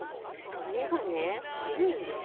目がかゆいんです。